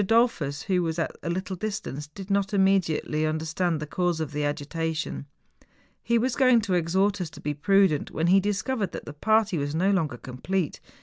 Dollfus, who was at a little distance, did not immediately under¬ stand the cause of the agitation. He was going to exhort us to be prudent, when he discovered that the party was no longer complete.